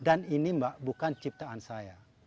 dan ini mbak bukan ciptaan saya